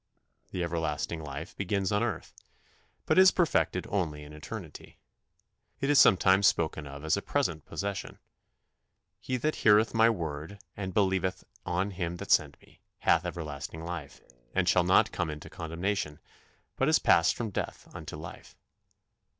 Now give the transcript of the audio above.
The everlasting life begins on earth, but is perfected only in eternity. It is sometimes spoken of as a present possession: "He that heareth my word, and believeth on him that sent me, hath everlasting life, and shall not come into condemnation; but is passed from death unto life."